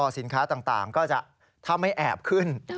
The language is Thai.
สินค้าต่างก็จะถ้าไม่แอบขึ้น